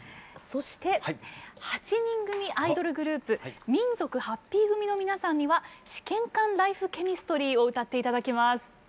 そして８人組アイドルグループ民族ハッピー組の皆さんには「試験官ライフケミストリー」を歌って頂きます。